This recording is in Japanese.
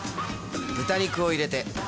豚肉をいれて